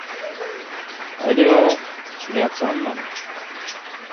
При императрице Екатерине Второй была выиграна Русско-турецкая война.